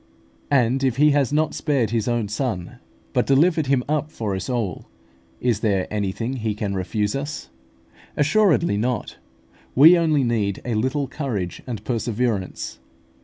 And if He has not spared His own Son, but delivered Him up for us all, is there anything He can refuse us? Assuredly not. We only need a little courage and perseverance.